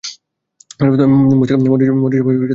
মোশতাক মন্ত্রিসভায় কোন প্রধানমন্ত্রী ছিলেন না।